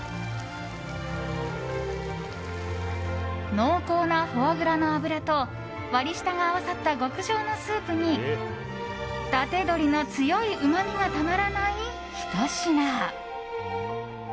濃厚なフォアグラの脂と割り下が合わさった極上のスープに伊達鶏の強いうまみがたまらないひと品。